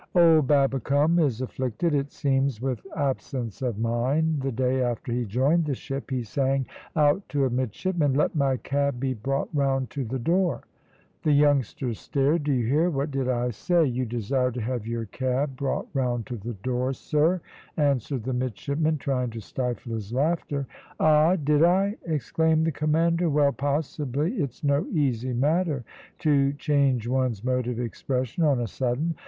Old Babbicome is afflicted, it seems, with absence of mind. The day after he joined the ship he sang out to a midshipman, `Let my cab be brought round to the door.' The youngster stared. `Do you hear? What did I say?' `You desired to have your cab brought round to the door, sir,' answered the midshipman, trying to stifle his laughter. `Ah! did I?' exclaimed the commander. `Well, possibly. It's no easy matter to change one's mode of expression on a sudden.